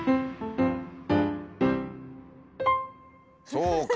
そうか。